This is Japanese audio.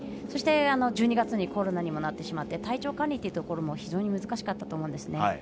そして、１２月にコロナにもなってしまって体調管理というところでも非常に難しかったと思います。